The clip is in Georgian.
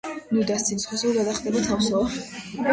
ნუ დასცინი სხვასაო გადახლდება თავსაო